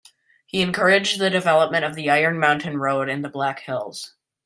He encouraged the development of the Iron Mountain Road in the Black Hills.